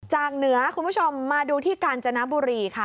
เหนือคุณผู้ชมมาดูที่กาญจนบุรีค่ะ